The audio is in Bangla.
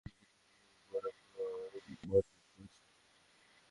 সে সম্প্রদায় অত্যন্ত গোঁড়াও বটে, প্রাচীনও বটে।